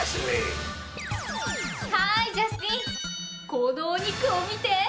このお肉を見て！